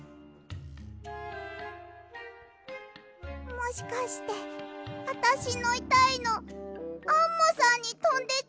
もしかしてあたしのいたいのアンモさんにとんでっちゃったのかも。